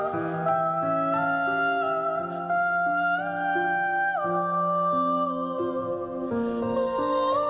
ทะวายทรายประโยคนี้